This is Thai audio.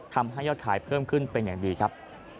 ทำให้ยอดขายเพิ่มขึ้นเป็นอย่างดีครับ